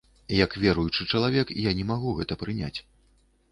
Як веруючы чалавек я не магу гэта прыняць.